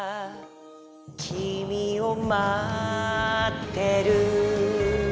「きみをまってる」